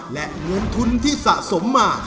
และเงินทุนที่สะสมมา